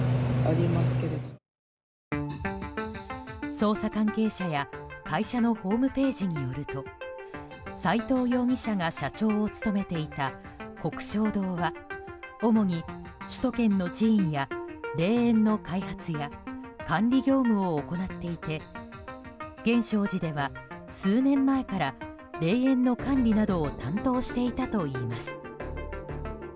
捜査関係者や会社のホームページによると齋藤容疑者が社長を務めていた鵠祥堂は主に首都圏の寺院や霊園の開発や管理業務を行っていて源証寺では数年前から霊園の管理などを担当していたといいます。